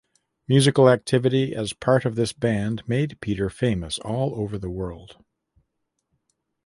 Musical activity as part of this band made Peter famous all over the world.